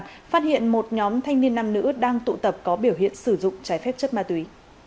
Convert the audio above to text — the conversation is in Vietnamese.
phát hiện một nhóm thanh niên nam nữ đang tụ tập có biểu hiện sử dụng trái phép chất ma túy